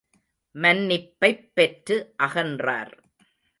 மன்னிப்பைப் பெற்று அகன்றார்.